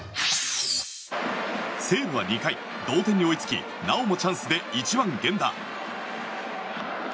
西武は２回同点に追いつきなおもチャンスで１番、源田。